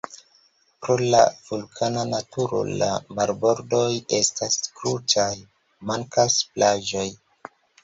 Pro la vulkana naturo la marbordoj estas krutaj, mankas plaĝoj.